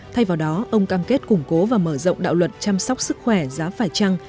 thay vào đó ông cam kết củng cố và mở rộng đạo luật chăm sóc sức khỏe giá phải trăng